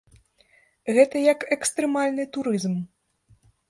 Гэта як экстрэмальны турызм.